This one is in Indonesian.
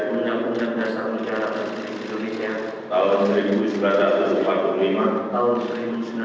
undang undang dasar mekadatulik indonesia